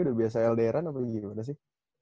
udah biasa ldr an apa gimana sih